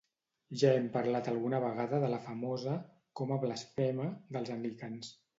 Ja hem parlat alguna vegada de la famosa "coma blasfema" dels anglicans.